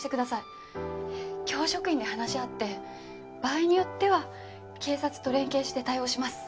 教職員で話し合って場合によっては警察と連携して対応します。